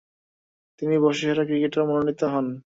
তিনি বর্ষসেরা ক্রিকেটার মনোনীত হন।